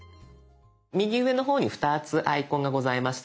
右上の方に２つアイコンがございますよね。